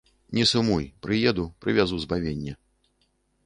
Не сумуй, прыеду, прывязу збавенне.